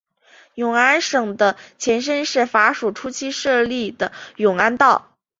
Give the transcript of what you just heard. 永安省的前身是法属初期设立的永安道。